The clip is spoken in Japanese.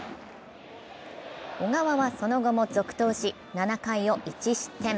小川はその後も続投し、７回を１失点。